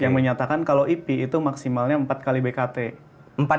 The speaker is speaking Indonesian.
yang menyatakan kalau ip itu maksimalnya empat kali bkt